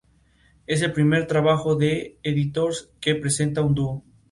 Es el primer trabajo de Editors que presenta un dúo.